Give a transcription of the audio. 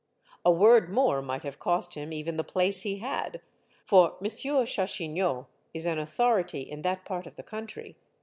A word more might have cost him even the place he had, for M. Chachignot is an authority in that part of the country.